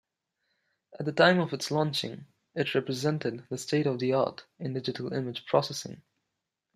At the time of its launching, it represented the state-of-the-art in digital image processing.